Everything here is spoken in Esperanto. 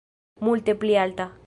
Multe pli alta.